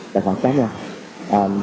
tài khoản cá nhân